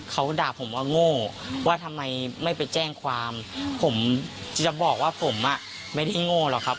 เขาด่าผมว่าโง่ว่าทำไมไม่ไปแจ้งความผมจะบอกว่าผมอ่ะไม่ได้โง่หรอกครับ